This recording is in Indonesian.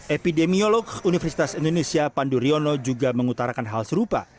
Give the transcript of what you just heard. epidemiolog universitas indonesia pandu riono juga mengutarakan hal serupa